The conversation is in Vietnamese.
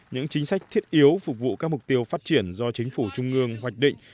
những chính sách thiết yếu phục vụ các mục tiêu phát triển do chính phủ trung ương hoạch định